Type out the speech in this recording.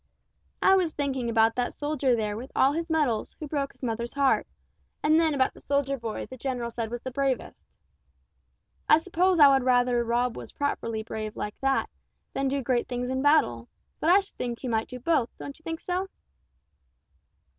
"I was thinking about that soldier there with all his medals who broke his mother's heart; and then about the soldier boy the general said was the bravest. I suppose I would rather Rob was properly brave like that, than do great things in battle; but I should think he might do both, don't you think so?"